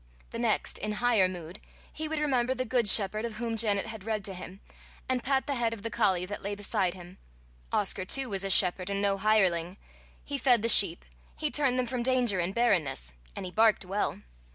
The next, in higher mood, he would remember the good shepherd of whom Janet had read to him, and pat the head of the collie that lay beside him: Oscar too was a shepherd and no hireling; he fed the sheep; he turned them from danger and barrenness; and he barked well.